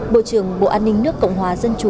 bộ trưởng bộ an ninh nước cộng hòa dân chủ